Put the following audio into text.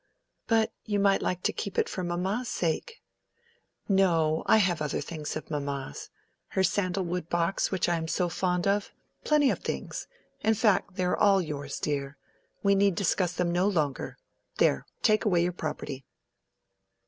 "But you might like to keep it for mamma's sake." "No, I have other things of mamma's—her sandal wood box which I am so fond of—plenty of things. In fact, they are all yours, dear. We need discuss them no longer. There—take away your property."